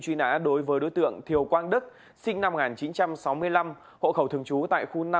truy nã đối với đối tượng thiều quang đức sinh năm một nghìn chín trăm sáu mươi năm hộ khẩu thường trú tại khu năm